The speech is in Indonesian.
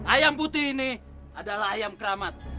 ayam putih ini adalah ayam keramat